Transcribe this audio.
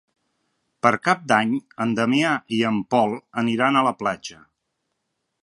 Per Cap d'Any en Damià i en Pol aniran a la platja.